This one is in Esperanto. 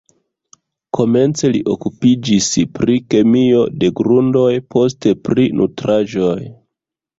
Komence li okupiĝis pri kemio de grundoj, poste pri nutraĵoj.